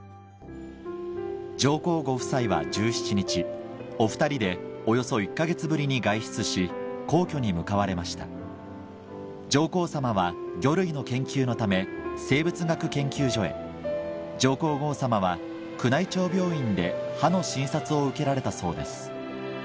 上皇ご夫妻は１７日お２人でおよそ１か月ぶりに外出し皇居に向かわれました上皇さまは魚類の研究のため生物学研究所へ上皇后さまは宮内庁病院で歯の診察を受けられたそうです